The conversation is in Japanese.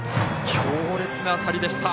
強烈な当たりでした。